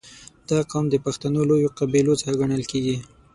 • دا قوم د پښتنو لویو قبیلو څخه ګڼل کېږي.